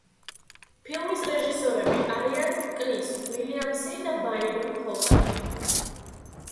ფილმის რეჟისორები არიან კრის უილიამსი და ბაირონ ჰოვარდი.